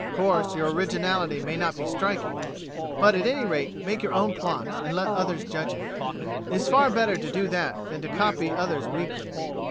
Of course your originality may not be striking, but, at any rate, make your own plot, and let others judge it. It is far better to do that than to copy others weakly.